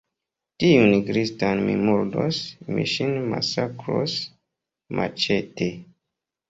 Tiun Kristinan mi murdos, mi ŝin masakros maĉete!